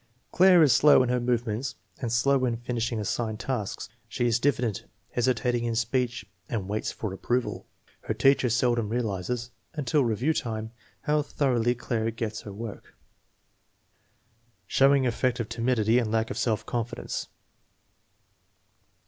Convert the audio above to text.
Claire is slow in her movements and slow in finishing assigned tasks. She is diffident, hesitating in speech, and waits for approval. Her teacher seldom realizes, until re view time, how thoroughly Claire gets her work. Showing effect of timidity and lack of self confi dence.